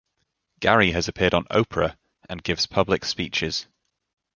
Gary has appeared on "Oprah" and gives public speeches.